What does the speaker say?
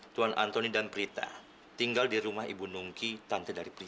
tidak ada yang bisa mencari teman lain